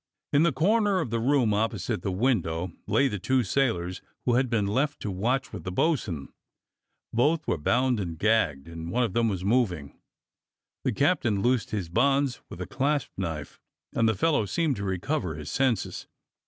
In the corner of the room opposite the window lay the two sailors who had been left to watch with the bo'sun. Both were bound and gagged, and one of them was moving. The cap tain loosed his bonds with a clasp knife, and the fellow seemed to recover his senses.